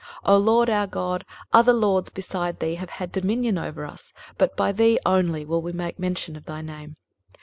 23:026:013 O LORD our God, other lords beside thee have had dominion over us: but by thee only will we make mention of thy name.